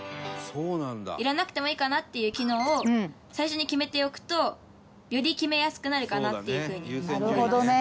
いらなくてもいいかなっていう機能を最初に決めておくとより決めやすくなるかなっていう風に思います。